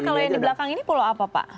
kalau yang di belakang ini pulau apa pak